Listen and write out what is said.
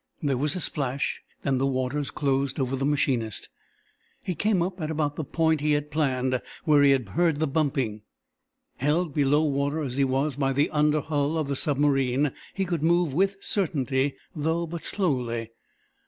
There was a splash then the waters closed over the machinist. He came up at about the point he had planned, where he had heard the bumping. Held below water as he was by the under hull of the submarine, he could move with certainty, though but slowly.